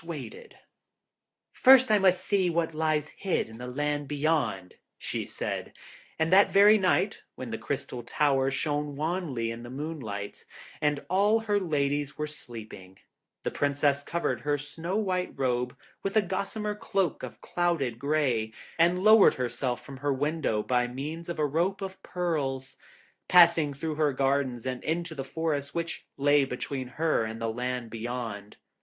[Illustration: "Lowered herself from her window by means of a rope of pearls"] 'First I must see what lies hid in the land Beyond,' she said, and that very night, when the Crystal Tower shone wanly in the moon light, and all her ladies were sleeping, the Princess covered her snow white robe with a gossamer cloak of clouded grey, and lowered herself from her window by means of a rope of pearls, passing through her gardens and into the forest, which lay between her and the land Beyond.